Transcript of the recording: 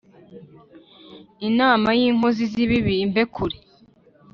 inama y’inkozi z’ibibi imbe kure